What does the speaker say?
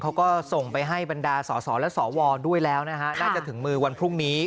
เขาก็ส่งไปให้บรรดาสอสอและสวด้วยแล้วนะฮะน่าจะถึงมือวันพรุ่งนี้